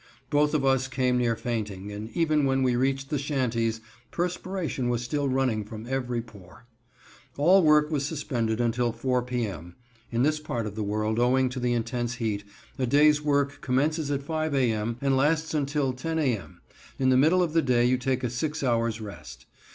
Both of us came near fainting, and even when we reached the shanties, perspiration was still running from every pore. All work was suspended until 4 p. m. (In this part of the world, owing to the intense heat, a day's work commences at 5 a. m. and lasts until 10 a. m. In the middle of the day you take a six hours' rest.